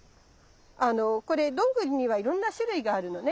これどんぐりにはいろんな種類があるのね。